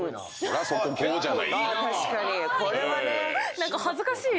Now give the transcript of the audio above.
何か恥ずかしい。